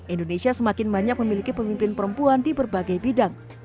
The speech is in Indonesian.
indonesia semakin banyak memiliki pemimpin perempuan di berbagai bidang